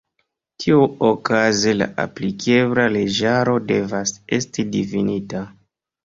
Tiuokaze la aplikebla leĝaro devas esti difinita.